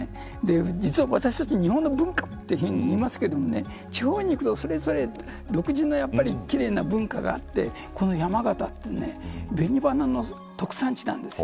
実は私たち日本の文化っていいますけれど地方に行くと、それぞれ独自の奇麗な文化があってこの山形って紅花の特産地なんです。